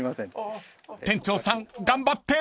［店長さん頑張って！］